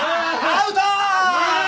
アウトー！！